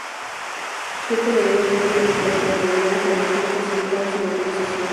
Siete de ellos fueron acusados por revelar información clasificada sin autorización.